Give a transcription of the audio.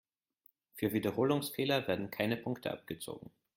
Für Wiederholungsfehler werden keine Punkte abgezogen.